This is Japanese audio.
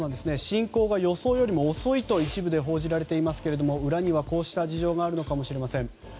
侵攻が予想よりも遅いと一部で報じられていますが裏には、こうした事情があるのかもしれません。